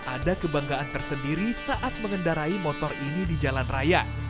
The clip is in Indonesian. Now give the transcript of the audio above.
ada kebanggaan tersendiri saat mengendarai motor ini di jalan raya